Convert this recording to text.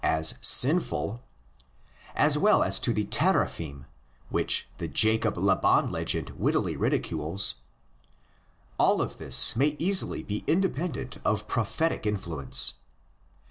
as sinful, as well as to the teraphim, which the Jacob Laban legend wittily ridicules (xxxi. 30 f. ),— all of this may easily be independent of "Prophetic" influence.